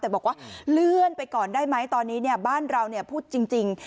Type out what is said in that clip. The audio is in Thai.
แต่บอกว่าเลื่อนไปก่อนได้ไหมตอนนี้บ้านเราพูดจริง